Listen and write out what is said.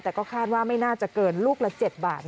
แต่ก็คาดว่าไม่น่าจะเกินลูกละ๗บาท